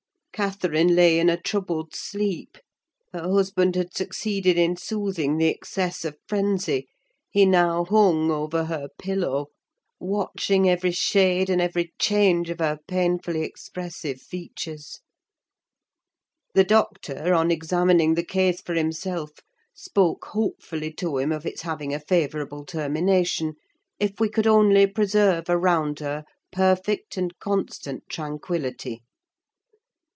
Catherine lay in a troubled sleep: her husband had succeeded in soothing the excess of frenzy; he now hung over her pillow, watching every shade and every change of her painfully expressive features. The doctor, on examining the case for himself, spoke hopefully to him of its having a favourable termination, if we could only preserve around her perfect and constant tranquillity.